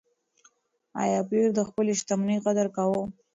ایا پییر د خپلې شتمنۍ قدر کاوه؟